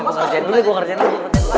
gue ngerjain dulu